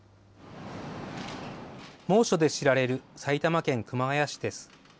猛暑で知られる埼玉県熊谷市です。